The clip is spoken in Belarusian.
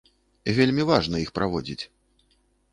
Вельмі важна іх праводзіць.